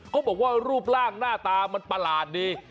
เขาบอกว่ารูปร่างหน้าตามันประหลาดดี